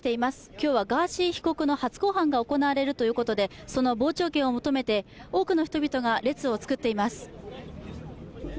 今日はガーシー被告の初公判が行われるということで、その傍聴券を求めて多くの人々が列を作っています。